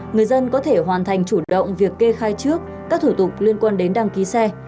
người dân có thể hoàn thành chủ động việc kê khai trước các thủ tục liên quan đến đăng ký xe